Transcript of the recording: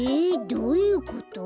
どういうこと？